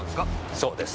そうです。